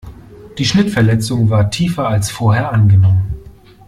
Die Schnittverletzung war tiefer als vorher angenommen.